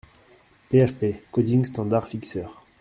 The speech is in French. PHP Coding Standard Fixer.